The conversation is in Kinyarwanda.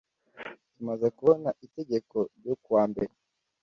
Tumaze kubona Itegeko ryo kuwa mbere